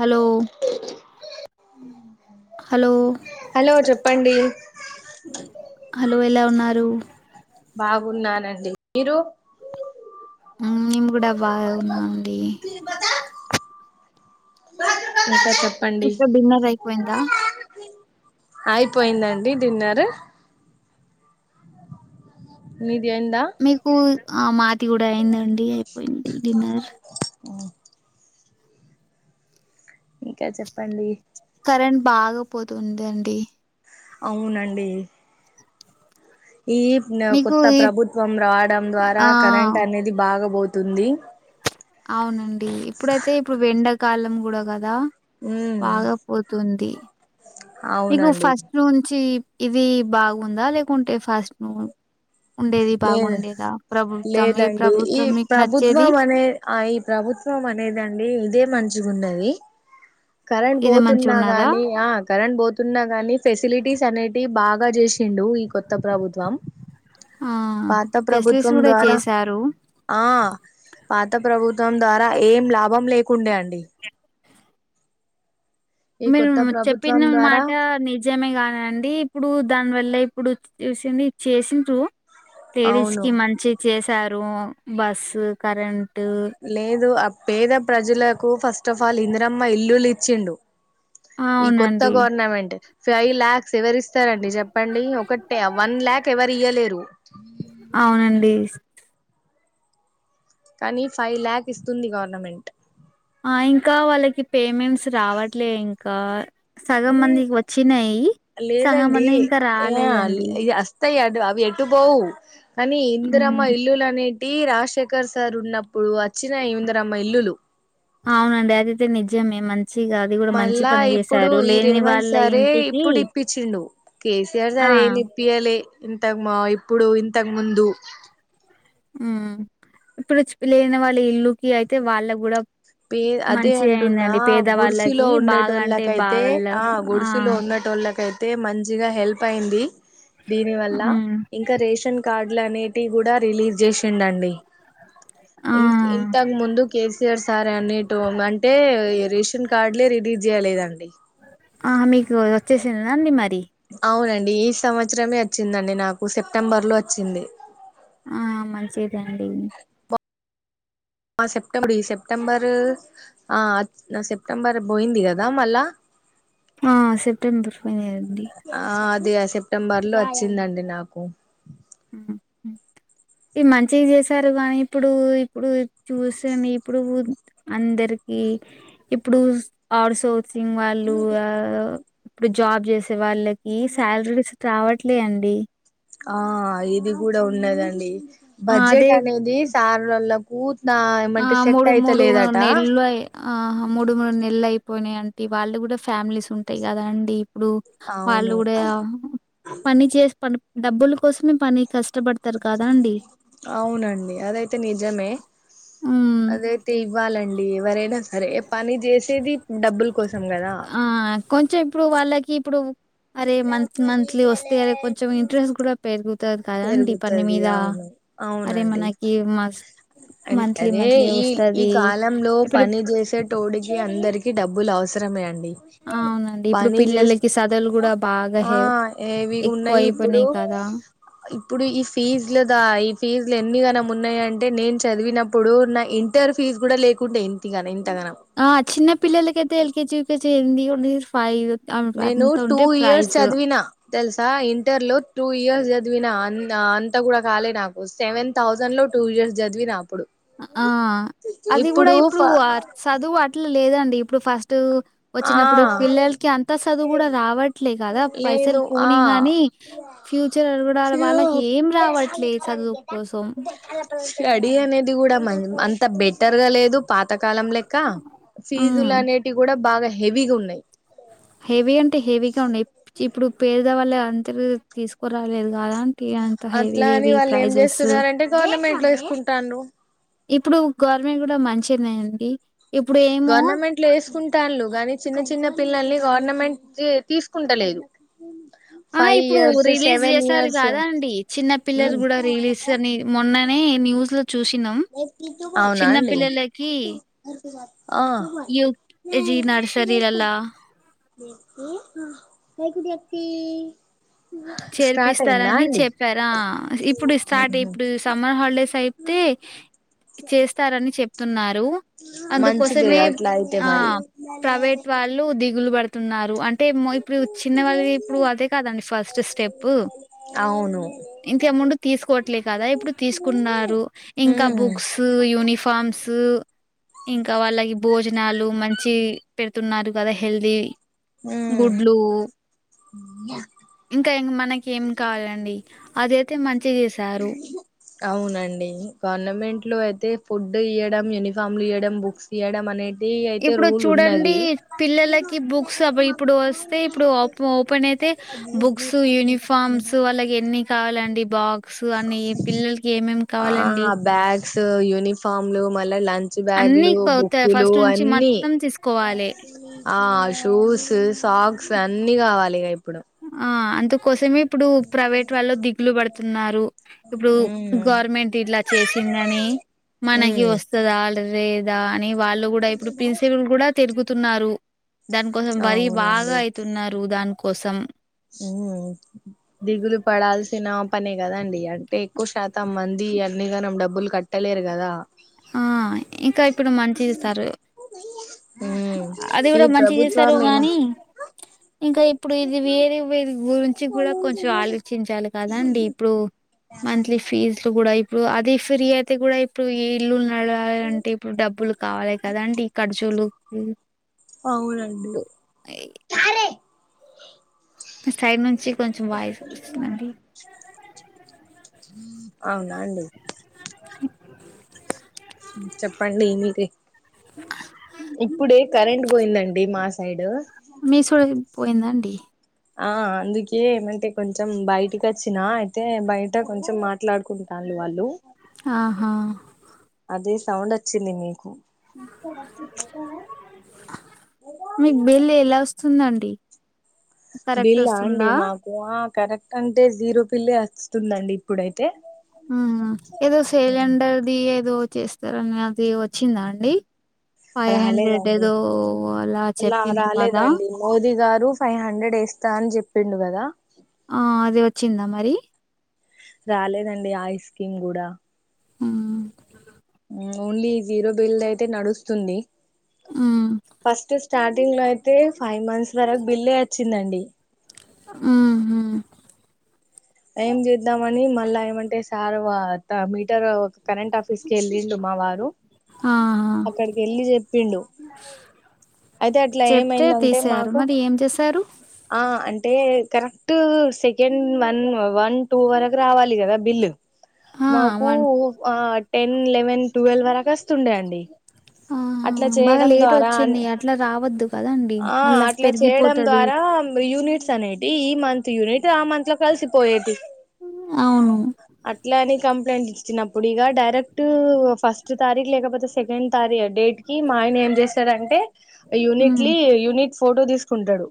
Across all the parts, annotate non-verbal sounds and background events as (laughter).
Hello hello hello చెప్పండి hello ఎలా ఉన్నారు బాగున్నానండి మీరు మేమ్ కూడా బాగున్నామండి ఇంకా చెప్ ఇంకా డిన్నర్ అయిపోయిందా అయిపోయిందండి డిన్నర్ మీదయిందా స్కూల్ ఆ మాది కూడా అయిందండి అయిపోయింది డిన్నర్ ఆఓ ఇంకా చెప్పండి కరెంట్ బాగా పోతుందండి అవునండి ఈన మీకు కొత్త ఈ ప్రభుత్వం రావడం ద్వారా ఆ కరెంట్ అనేది బాగబోతుంది అవునండి ఇప్పుడైతే ఇప్పుడు వెండాకాలం గూడ కదా ఉమ్ బాగా పోతుంది నీకు కు అవునండి ఫస్ట్ నుంచి ఇది బాగుందా లేకుంటే ఫస్ట్ ను ఉండేది లేదు బాగుండేదా ప్రభుత్వం ఏ ప్రభుత్వం మీక్ నచ్చేది ఆ ఈ ప్రభుత్వం అనేదండి ఇదే మంచిగున్నది కరెంట్ ఇది మంచి పోతున్నా ఉన్నదా గాని ఆ కరెంట్ పోతున్నా గాని ఫెసిలిటీస్ అనేటి బాగ చేసిండు ఈ కొత్త ప్రభుత్వం ఆ పాత ఫెసిలిటీస్ ప్రభుత్వం కూడా ద్వార చేశారు ఆ పాత ప్రభుత్వం ద్వార ఏం లాభం లేకుండే అండి ఈ మీరు కొత్త ప్రభుత్వం చెప్పిన ద్వారా మాట (unintelligible) విజమే గానండి ఇప్పుడు దాన్వల్ల ఇప్పుడు చూసింది చేసింన్రూ అవును లేడీస్కి మంచి చేసారు బస్సు కరెంటు లేదు ఆ పేద ప్రజలకు ఫస్ట్ ఆఫ్ ఆల్ ఇం (unintelligible) రమ్మ ఇల్లులు ఇచ్చిండు ఈ కొత్త అవునండి గవర్నమెంట్ ఫైవ్ ల్యాక్స్ ఎవరు ఇస్తారండి చెప్పండి ఒకటే వన్ ల్యాక్ ఎవరు ఇయ్యలేరు అవునండి కానీ ఫైవ్ ల్యాక్ ఇస్తుంది గవర్నమెంట్ ఆ ఇంక వాళ్ళకి పేమెంట్స్ రావట్లే ఇంక సగం మందికి వచ్చినాయి సగం మందికి ఇంక రాలేదండి త్తాయి అ అవి ఎటు పోవు కానీ ఇందిరమ్మ ఉమ్ ఇల్లులు అని టి రాజశేఖర్ సార్ ఉన్నప్పుడు వచ్చినాయ్ ఇందరమ్మ ఇల్లులు అవునండి అదైతే నిజమే మంచిగా అది కూడా మంచి మళ్ళా పని ఇప్పుడు చేసారు ఈ లేని రేవంత్ వాళ్ళ సారే ఇంటికి ఇప్పుడు ఇప్పించిండు కేసీఆర్ ఆ సార్ ఏమి ఇప్పయాలే ఇంత మా ఇప్పుడు ఇంతకు ముందు ఉ ఇప్పుడు లేని వాళ్ళ ఇల్లుకి అయితే వాళ్ళ కూడ ప అదే అంటున్న గుడిసులో పేదవాళ్ళకి బాగా అంటే ఉనేటోళ్ళకైతే బాగాళ్ళ ఆ గుడిసులో ఉన్నట్టు ట్టోళ్ళకైతే మంచిగా హెల్ప్ అయింది దీని వల్ల హ్మ్. ఇంక రేషన్ కార్డులు అనేటి కూడ రిలీజ్ చేసిండు అండి ఆ ఇం ఇంతక్ ముందు కేసిఆర్ (unintelligible) అంటే రేషన్ కార్డులే రిలీజ్ చేయలేదండి ఆ మీకు వచ్చేసిందదండి మరి అవునండి ఈ సంవత్సరమే వచ్చిందండి నాకు సెప్టెంబర్ లో వచ్చింది ఆ మంచిదండి ఆ సెప్టెంబ (unintelligible) సెప్టెంబర్ ఆ సెప్టెంబర్ బోయింది కదా మళ్ళ ఆ సెప్టెంబర్ పదిహే (unintelligible) ఆ అది ఆ సెప్టెంబర్ లో వచ్చిందండి నాకు ఈ మంచి చేశారు కానీ ఇప్పుడు ఇప్పుడు చూసేను ఇప్పుడు అందరికి ఇప్పుడు ఆ (unintelligible) (unintelligible) వాళ్ళు ఇప్పుడు జాబ్ చేసే వాళ్ళకి శాలరీ రావట్లే అండి ఆ ఇది కూడ (unintelligible) ఆ! అదే బడ్జెట్ అనేది సార్లలో (unintelligible) ఏమంటే సెట్ అయిత లేదట ఆ మూడు మూడు నెలలు అయిపోయినా (unintelligible) వాళ్ళు కూడా ఫ్యామిలీస్ ఉంటాయి కదా అండి ఇప్పుడు వాళ్ళు అవును కూడ పని చే పని డబ్బుల కోసమే పని కష్టపడు అవునండి అదైతే నిజమే హ్మ్. అదైతే ఇవ్వాలండి ఎవరైనా అరే పని చేసేది డబ్బుల కోసం కదా ఆ కొంచెం ఇప్పుడు వాళ్ళకి ఇప్పుడు అరే మంత్ మంత్లీ వస్తే అరే కొంచెం ఇంట్రెస్ట్ కూడా పెరుగుతది కదండి పని పెరుగుతది మీద అవును అరే అవునండి మనకి మస్ అండ్ మంత్లీ అదే మంత్లీ ఈ వస్తది ఇప్పుడు తోడుకి అందరికి డబ్బులు అవసరమే అండి అవునండి. ఇప్పుడు పని చేస్ పిల్లలకి చదువులు గూడా బాగా ఆ హె ఏవి ఎక్కువ ఉన్నాయి ఇప్పుడు అయిపోయినాయి కదా! ఇప్పుడు ఈ ఫీజులదా ఈ ఫీజులు ఎన్ని గనం ఉన్నాయంటే నేను చదివినప్పుడు నా ఇ ఇంటర్ ఫీజ్ కూడా లేకుంటే ఇంతిగన ఇంతగానం ఆ చిన్న పిల్లలకైతే ఎల్కెజీ యు కేజీ ఏంది ఫై నేను టూ ఇయర్స్ చదివిన తెలుసా ఇంటర్ లో టూ ఇయర్స్ చదివినా అంతా కూడా కాలే నాకు సెవెం థౌజండ్ లో టూ ఇయర్స్ చదివిన అప్పుడు ఆ అది కూడా ఇప్పుడు చదువు అట్లా లేదండి ఇప్పుడు ఫస్ట్ ఆ వచ్చినప్పుడు పిల్లలకి అంతా చదువు కూడా రావట్లేదు కదా పైసలు లేదు ఆ పోనీ గానీ ఫ్యూచర్ అ కూడా వాళ్ళకి ఏం రావట్లే చదువు కోసం స్టడీ అనేది కూడా మ అంత బెటర్గా లేదు పాతకాలం లెక్క ఫీజులు హ్మ్. అనేటివి కూడా బాగా హెవీగా ఉన్నాయి హెవీ అంటే హెవీగా ఉన్నాయి ఇప్పుడు పేద వాళ్ళ అందరు తీసుకురాలేదు కాదా అంటి అ అట్లా అని వాళ్ళు ఏం చేస్తున్నారంటే గవర్నమెంట్ లో వేసుకుంటంర్రు ఇప్పుడు గవర్నమెంట్ కూడా మంచిగనే అండి గవర్నమెం ట్ లేసుకుంటళ్ళు గాని చిన్న చిన్న పిల్లల్ని గవర్నమెంట్ తీసుకుంటలేదు ఆహా ఫైవ్ ఇప్పుడు ఇయర్స్ రిలీజ్ సెవెన్ చేసారు ఇయర్స్ కదా అండి చిన్న పిల్లలు కూడా రిలీజ్ అని మొన్ననే న్యూస్ లో చూసినాం అవునా చిన్న అండి పిల్లలకి ఆ యు ఎ జి నర్సరీలళ్ళ న కాయ కుది అక్తే చేర్పిస్తారని చెప్పారా ఆ ఇప్పుడు స్టార్ట్ ఇప్పుడు సమ్మర్ హాలిడేస్ అయితే చేస్తారని చెప్తున్నారు మంచిది అందుకొసమే అట్లా అయితే ఆ మరి ప్రైవేట్ వాళ్ళు దిగులు బడ్ తున్నారు అంటే మే ఇప్పుడు చిన్న వాళ్ళది ఇప్పుడు అదే కాదండి ఫస్ట్ స్టెప్ అవును ఇంతముందు తీసుకోవట్లే కదా ఇప్పుడు తీసుకున్నారు ఇంకా ఉమ్ బుక్స్ యూనిఫార్మ్స్ ఇంకా వాళ్ళకి భోజనాలు మంచి పెడుతున్నారు కదా హెల్దీ గుడ్లు అ ఇంకా మనకి ఏం కావాలండి అదయితే మంచిగా చేస్ అవునండి గవర్నమెంట్ లో అయితే ఫుడ్ ఇయ్యడం యూనిఫామ్లు ఇయ్యడం బుక్స్ ఇయ్వడం అనే ఇప్పుడు చూడండి పిల్లలకి బుక్స్ ఇప్పుడు వస్తే ఇప్పుడు ఓపెన్ అయితే బుక్స్ యూనిఫార్మ్స్ అలగేన్ని కావాలండి బాక్స్ అన్ని పిల్లలకి ఏమేమి కావాలండి సు యూనిఫామ్లు మళ్ళీ లంచ్ అన్ని బ్యాగులు కొత్త బుక్కులు ఫస్ట్ నుంచి అన్ని మొత్తం తీసుకోవాలి ఆ షూస్ సాక్స్ అన్ని కావాలిక ఇప్పుడు ఆ అందుకోసమే ఇప్పుడు ప్రైవేట్ వాళ్ళు దిగులు పడుతున్నారు ఇప్పుడు ఉ గవర్నమెంట్ ఇట్లా చేసిందని మనకి ఉమ్ వస్తు దా లేదా అని వాళ్ళు కూడా ఇప్పుడు ప్రిన్సిపుల్ కూడా తిరుగుతున్నారు దానికోసం వర్రీ బాగా అవునండి అయితున్నారు దానికోసం ఉమ్మ్ దిగులు పడాల్సిన పనే కదండి అంటే ఎక్కువ శాతం మంది అన్నికనం డబ్బులు కట్టలేరు కదా ఆ ఇంకా ఇప్పుడు మంచి ఇస్తారు వయి అది కూడా మంచిగా చేశారు ఇలా గానీ ఇంకా ఇప్పుడు ఇది వేరు వేరి గురించి కూడా కొంచెం ఆలోచించాలి కదా అండి ఇప్పుడు మంత్లీ ఫీజలు కూడా ఇప్పుడు అది ఫ్రీ అయితే కూడా ఇప్పుడు ఈ ఇల్లులు నడవాలి అంటే ఇప్పుడు డబ్బులు కావాలి కదా అండి ఈ ఖర్చులు అవునండి మీ సైడ్ నుంచి కొంచెం వాయిస్ వస్తుందండి అవునా అండి చెప్పండి ఏమిటి ఇప్పుడే కరెంట్ పోయిందండి మా సైడ్ మీ సైడ్ పోయింద అండి ఆ అందుకే ఏమంటే కొంచెం బయటకి వచ్చినా అయితే బయట కొంచెం మాట్లాడుకుంట తలు వాళ్ళు ఆహా అదే సౌండ్ వచ్చింది మీకు మీకు బిల్లు ఎలా వస్తుందండి కరెక్ట్ బిల్లా ఆ అండి వస్తుందా మాకు కరెక్ట్ అంటే జీరో బిల్లు వస్తుందండి ఇప్పుడైతే మ్మ్ ఏదో సిలిండర్ది ఏదో చేస్తారనే అది వచ్చిందా అండి ఫైవ్ హండ్రెడ్ రాలేదండి ఏదో అలా లా చెప్పిండ్రు కదా రాలేదండి మోదీ గారు ఫైవ్ హండ్రెడ్ వేస్తా అని చెప్పిండు కదా ఆ అది వచ్చిందా మరి రాలేదండి ఆ స్కీమ్ కూడా ఉమ్మ్ ఓన్లీ జీరో బిల్ అయితే నడుస్తుంది ఉమ్, ఫస్ట్ స్టార్టింగ్ లో అయితే ఫైవ్ మంత్స్ వరకు బిల్లే వచ్చిందండి ఆ ఏం చేద్దాము అని మళ్ళా ఏమంటే సార్ మీటర్ ఒక కరెంట్ ఆఫ ఆఫీసు కి వెళ్ళిండు మా వారు ఆహా. అక్కడికి వెళ్ళి చెప్పిండు అయితే అట్లా చెప్తే ఏమైందంటే తీసారు మాకు మరి ఏం చేసారు ఆ అంటే correct second one one two వరకు రావాలి కదా బిల్ ఆ మాకు వన్ ఆ టెన్ లెవెన్ టువాల్ వరకు వస్ వస్తుండే అండి అట్లా చేయడం ద్వారా అని అట్ల రావద్దు కదా అండి ఆ అట్లా చేయడం ద్వారా యూనిట్స్ అనేవి ది ఈ మంత్ యూనిట్ ఆ మంత్ లో కలిసిపోయేది. అవును అట్లని కంప్లైంట్ ఇచ్చిన ఇప్పుడు ఇక డైరెక్ట్ ఫస్ట్ తారీఖ, లేకపోతే సెకండ్ తారీ డేట్ కి మా ఆయన ఏం చేస్తాడంటే హ్మ్ యూనిట్లీ యూనిట్ ఫోటో తీసుకుంటాడు.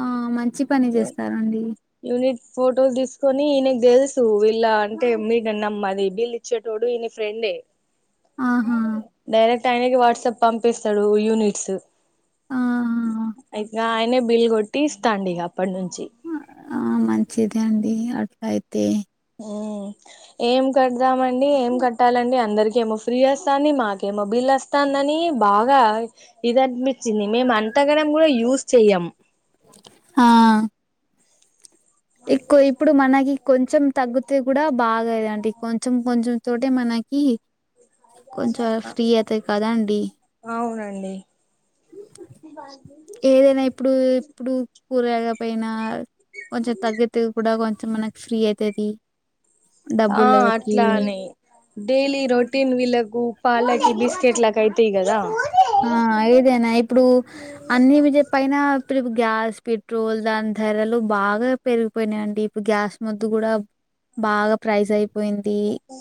ఆ మంచి పని చేస్తారండి. యూనిట్ ఫొటోలు తీసుకొని నకు తెలుసు వీళ్ళ అంటే మీటన్నమ్మాది బిల్ ఇచ్చేటోడు ఈన ఫ్రెండే. ఆహా డైరెక్ట్ ఆయనకి వాట్సాప్ పంపిస్తాడు యూనిట్స్. ఆహా ఇక ఆయనే బిల్ కొట్టి ఇస్తాండు ఇక అప్పటి నుంచి. ఆ మంచిదే అండి అట్ల అయితే. ఊ ఏం కడదామండి ఏం కట్టాలండి అందరికి ఏమో ఫ్రీ వస్తంది మాకేమో బిల్ వస్ తాందని బాగా ఇది అనిపిచ్చింది మేము అంతగరం కూడా యూస్ చెయ్యం. ఆ ఎక్కు ఇప్పుడు మనకి కొంచెం తగ్గుతే కూడ బాగ ఇదంటే కొంచం కొంచెం తోటే మనకి కొంచెం ఫ్రీ అవుతాయి కదండి అవునండి. ఏదైనా ఇప్పుడు ఇప్పుడు కూరగాయలకి పోయినా కొంచెం తగ్గితే కూడా కొంచెం మనకి ఫ్రీ అయితది. ఆ డబ్బులకి అట్లానే డైలీ రోటీన్ వీళ్లకు పాలకి, బిస్కెట్లకి అయితయి కదా! ఆ ఏదైనా ఇప్పుడు అన్ని విజయ పైన ఇప్పుడు గ్యాస్, పెట్రోల్ దాని ధరలు బాగా పెరిగిపోయినాయి అండి ఇప్పుడు గ్యాస్ మొద్దు కూడ బాగా ప్రైజ్ అయి పోయింది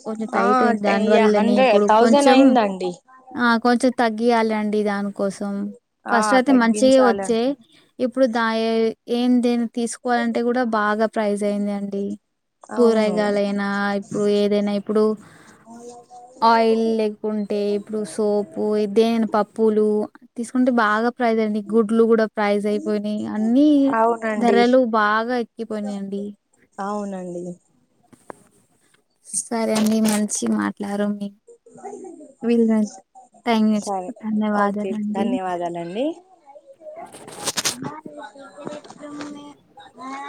కొంచెం ఆ టైట్ అయింది. యా దానివల్లనే హండ్రెడ్ ఇప్పుడు థౌజండ్ కొంచెం అయిందండి ఆ కొంచెం తగ్గియాలి అండి దానికోసం ఆ ఫస్ట్ అయితే మంచిగ వచ్చే తగ్గించాలండి ఇప్పుడు దా ఏం దేని తీసుకోవాలంటే కూడ బాగా ప్రైజ్ అయింది అండి. అవును కూరయగాయలయినా, ఇప్పుడు ఏదైనా ఇప్పుడు అ కుంటే ఇప్పుడు సోపు ఎదేనా పప్పులు తీసుకుంటే బాగ ప్రైజ్ అండి గుడ్లు కూడా ప్రైజ్ అయిపోయినాయి. అన్ని అవునండి ధరలు బాగా ఎక్కిపోయినాయండి అవునండి. సరే అండి మంచిగ మాట్లారు మీ వీళ్ళ టైం సరే ఇచ్చినందుకు ఓకే ధన్యవాదాలండి ధన్యవాదాలండి. మ